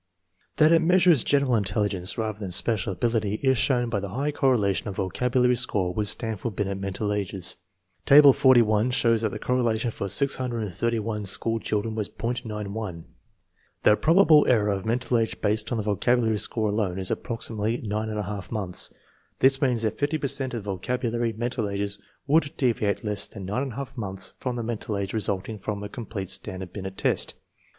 1 That it measures general intelligence rather than special ability is shown by the high correlation of vocabulary score with Stanford Binet mental ages. Table 41 shows that the correlation for 681 school children was .91. The probable error of a mental age based on the vocabulary score alone is approximately 9| months. This means that 50 per cent of the vocabulary mental ages would deviate less than 9j months from the mental age resulting from a complete Stanford Binet test.